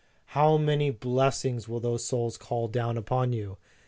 "How many blessings will those souls call down upon you!